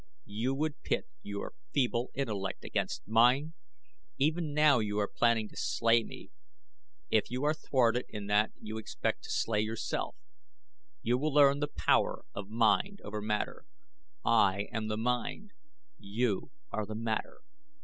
You would pit your feeble intellect against mine! Even now you are planning to slay me. If you are thwarted in that you expect to slay yourself. You will learn the power of mind over matter. I am the mind. You are the matter.